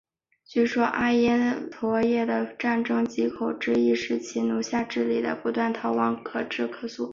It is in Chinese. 据说阿瑜陀耶的战争藉口之一是其治下奴隶不断逃亡至素可泰。